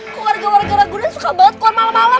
kok warga warga ragunan suka banget keluar malem malem